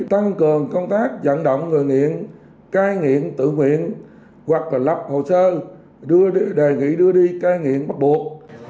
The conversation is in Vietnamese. tăng cường công tác dẫn động người nghiện cai nghiện tự nguyện hoặc lập hồ sơ đề nghị đưa đi cai nghiện bắt buộc